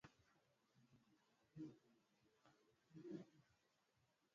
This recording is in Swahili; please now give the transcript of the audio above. hii yeboyebo aina zote za nywele tunasuka eehee